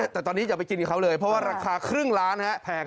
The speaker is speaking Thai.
แต่ตอนนี้อย่าไปกินกับเขาเลยเพราะว่าราคาครึ่งล้านแพง